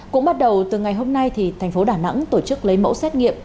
cũng bắt đầu từ ngày hôm nay thành phố đà nẵng tổ chức lấy mẫu xét nghiệm